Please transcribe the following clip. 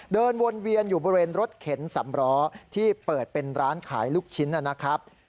เดินวนเวียนอยู่บริเวณรถเข็นสำล้อที่เปิดเป็นร้านขายลูกชิ้นนะครับ